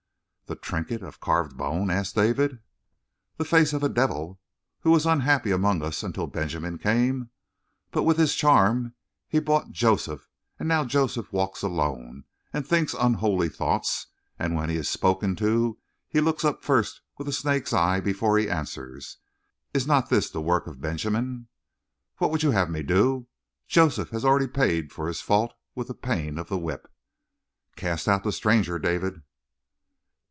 "The trinket of carved bone?" asked David. "The face of a devil! Who was unhappy among us until Benjamin came? But with his charm he bought Joseph, and now Joseph walks alone and thinks unholy thoughts, and when he is spoken to he looks up first with a snake's eye before he answers. Is not this the work of Benjamin?" "What would you have me do? Joseph has already paid for his fault with the pain of the whip." "Cast out the stranger, David."